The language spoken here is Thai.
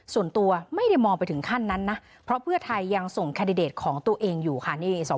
ส่วนตัวไม่ได้มองไปถึงขั้นนั้นนะเพราะเพื่อไทยยังส่งแคนดิเดตของตัวเองอยู่ค่ะ